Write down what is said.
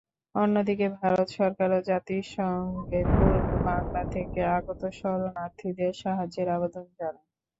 অন্যদিকে, ভারত সরকারও জাতিসংঘে পূর্ব বাংলা থেকে আগত শরণার্থীদের সাহায্যের আবেদন জানায়।